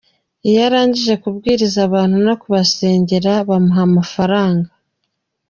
Iyo arangije kubwiriza abantu no kubasengera bamuha amafaranga.